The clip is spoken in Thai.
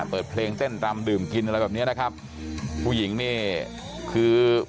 เปิดเพลงเต้นรำดื่มกินอะไรแบบเนี้ยนะครับผู้หญิงนี่คือ